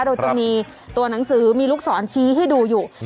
โดยต้องมีตัวหนังสือมีลูกสอนชี้ให้ดูอยู่